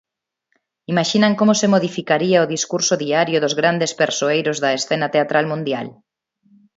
Imaxinan como se modificaría o discurso diario dos grandes persoeiros da escena teatral mundial?